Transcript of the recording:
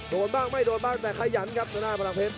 โดนบ้างไม่โดนบ้างแต่ขยันครับทางด้านพลังเพชร